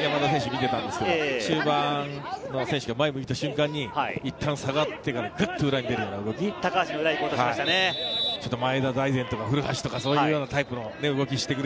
山田選手を見ていたんですけれど、中盤の選手が前を向いた瞬間に、いったん下がってからぐっと裏に出て行く動き、前田大然とか古橋とか、そういうタイプの動きをする。